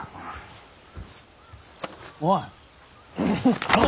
おい！